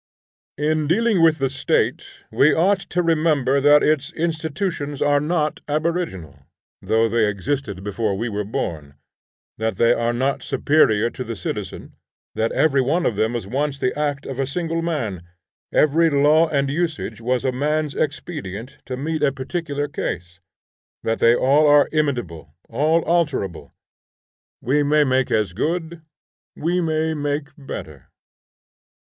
VII. POLITICS. In dealing with the State we ought to remember that its institution are not aboriginal, though they existed before we were born; that they are not superior to the citizen; that every one of them was once the act of a single man; every law and usage was a man's expedient to meet a particular case; that they all are imitable, all alterable; we may make as good, we may make better.